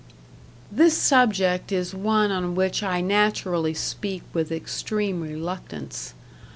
This subject is one on which I naturally speak with extreme reluctance.